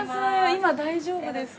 今大丈夫ですか。